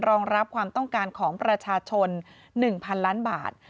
รองรับความต้องการของประชาชน๑๐๐๐ล้านบาท